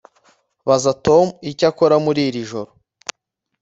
Baza Tom icyo akora muri iri joro